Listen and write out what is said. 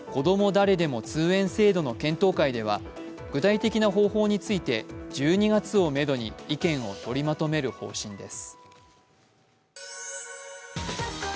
誰でも通園制度の検討会では具体的な方法について１２月をめどに意見を取りまとめる方針です。